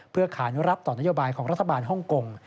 เพื่อขานุรับต่อนโยบายของรัฐบาลฮ่องกง